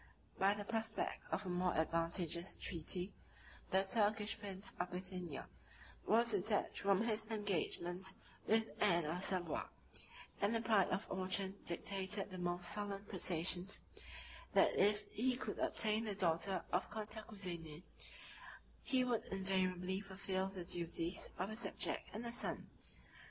By the prospect of a more advantageous treaty, the Turkish prince of Bithynia was detached from his engagements with Anne of Savoy; and the pride of Orchan dictated the most solemn protestations, that if he could obtain the daughter of Cantacuzene, he would invariably fulfil the duties of a subject and a son.